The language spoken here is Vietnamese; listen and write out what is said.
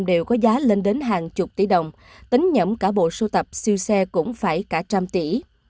đều có giá lên đến hàng chục tỷ đồng tính nhẫm cả bộ sưu tập siêu xe cũng phải cả trăm tỷ